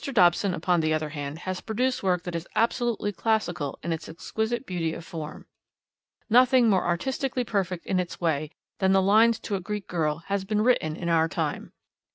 Dobson, upon the other hand, has produced work that is absolutely classical in its exquisite beauty of form. Nothing more artistically perfect in its way than the Lines to a Greek Girl has been written in our time.